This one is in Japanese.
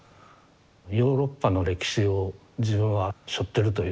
ヨーロッパの歴史を自分はしょってるという。